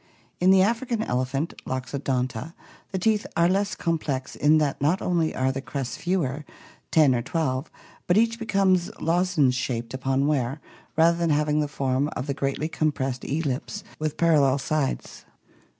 In the African elephant, Loxodonta, the teeth are less complex in that not only are the crests fewer, ten or twelve, but each be comes lozenge shaped upon wear rather than having the form of a greatly compressed ellipse with parallel sides.